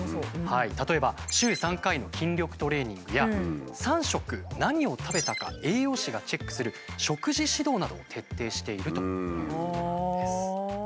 例えば週３回の筋力トレーニングや三食何を食べたか栄養士がチェックする食事指導などを徹底しているということなんです。